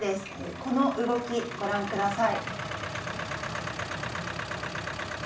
この動き、ご覧ください。